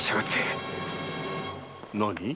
何？